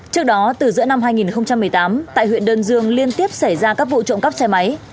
trước đó từ giữa năm hai nghìn một mươi tám tại huyện đơn dương liên tiếp xảy ra các vụ trộm cắp xe máy